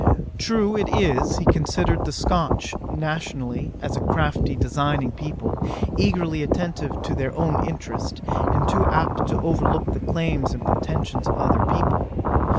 True it is, he considered the Scotch, nationally, as a crafty, designing people, eagerly attentive to their own interest, and too apt to overlook the claims and pretentions of other people.